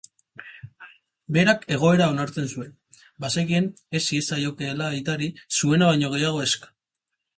Berak egoera onartzen zuen, bazekien ez ziezaiokeela aitari zuena baino gehiago eska.